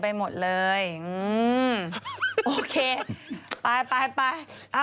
ไปเอ้ามา